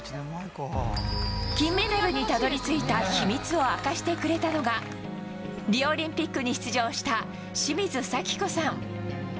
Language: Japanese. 金メダルにたどり着いた秘密を明かしてくれたのがリオオリンピックに出場した清水咲子さん。